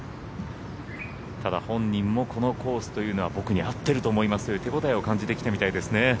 ただ本人もこのコースというのは僕に合ってると思いますと手応えを感じてきたみたいですね。